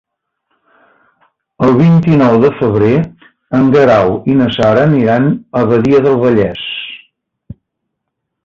El vint-i-nou de febrer en Guerau i na Sara iran a Badia del Vallès.